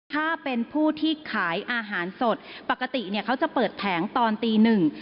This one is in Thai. ถ้าเป็นผู้ที่ขายอาหารสดปกติเนี่ยเขาจะเปิดแผงตอนตีหนึ่ง